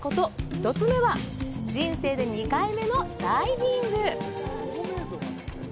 １つ目は、人生で２回目のダイビング。